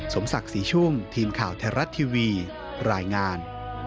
สมศักดิ์ศรีชุ่มทีมข่าวไทยรัฐทีวีรายงาน